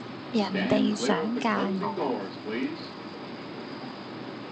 人地想嫁我